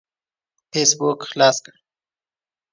فيسبوک خلاص کړه.